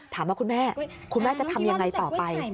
ถามว่าคุณแม่คุณแม่จะทำยังไงต่อไป